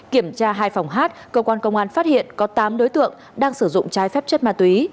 kiểm tra hai phòng hát cơ quan công an phát hiện có tám đối tượng đang sử dụng trái phép chất ma túy